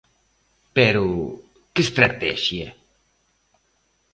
Pero, ¿que estratexia?